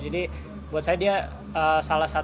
jadi buat saya dia salah satu